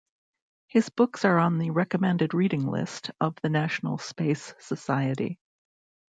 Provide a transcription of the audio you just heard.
His books are on the recommended reading list of the National Space Society.